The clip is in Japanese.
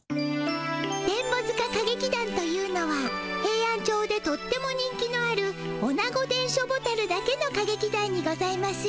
電ボ塚歌劇団というのはヘイアンチョウでとっても人気のあるオナゴ電書ボタルだけの歌劇団にございまする。